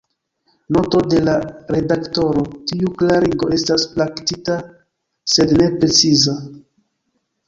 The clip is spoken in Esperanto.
Noto de la redaktoro: Tiu klarigo estas praktika, sed ne preciza.